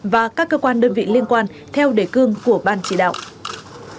và các cơ quan đơn vị liên quan theo đề cương của ban chỉ đạo